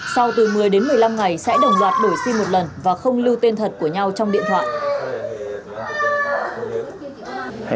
sau từ một mươi đến một mươi năm ngày sẽ đồng loạt đổi sim một lần và không lưu tên thật của nhau trong điện thoại